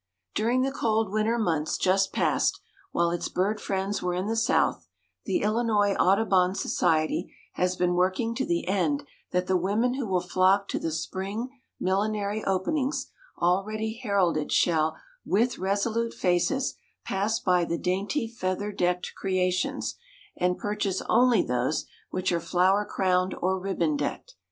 During the cold winter months just passed, while its bird friends were in the South, the Illinois Audubon Society has been working to the end that the women who will flock to the "spring millinery openings" already heralded shall with resolute faces pass by the dainty feather decked creations, and purchase only those which are flower crowned or ribbon decked.